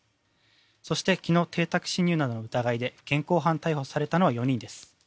そして昨日、邸宅侵入などの疑いで、現行犯逮捕されたのは４人です。